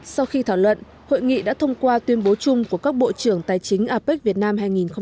sau khi thảo luận hội nghị đã thông qua tuyên bố chung của các bộ trưởng tài chính apec việt nam hai nghìn một mươi chín